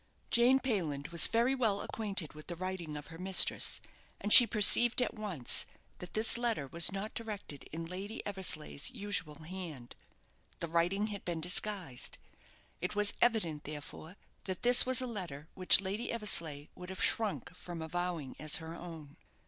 Jane Payland was very well acquainted with the writing of her mistress, and she perceived at once that this letter was not directed in Lady Eversleigh's usual hand. The writing had been disguised. It was evident, therefore, that this was a letter which Lady Eversleigh would have shrunk from avowing as her own.